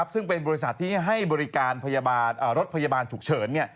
ซึ่งเป็นบริษัทที่ให้บริการรถพยาบาลฉุกเฉิน